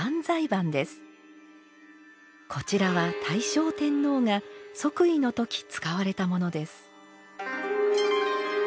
こちらは大正天皇が即位の時使われたものです。